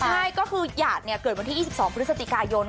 ใช่ก็คือหยาดเกิดวันที่๒๒พฤศจิกายน